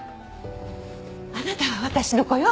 あなたは私の子よ。